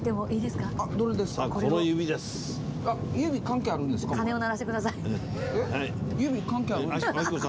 いいですね。